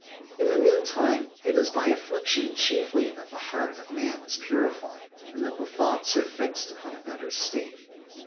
In the mean time, it is by affliction chiefly that the hea_r of man is purified, and that the thoughts are fixed upon better state.